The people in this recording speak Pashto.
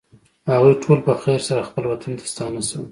هغوی ټول په خیر سره خپل وطن ته ستانه شول.